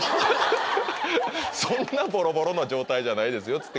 そんなボロボロの状態じゃないですよ